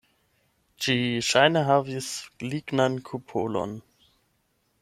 Ĝi ŝajne havis lignan kupolon.